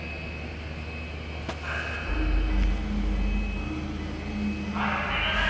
逮捕してください」「逮捕してください！」